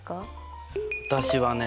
私はね